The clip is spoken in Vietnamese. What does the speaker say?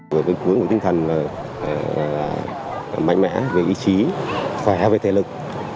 với cái cuối của tinh thần mạnh mẽ về ý chí khỏe về thể lực